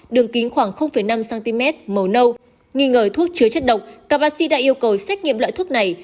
đường kính khoảng năm cm màu nâu nghi ngờ thuốc chứa chất độc các bác sĩ đã yêu cầu xét nghiệm loại thuốc này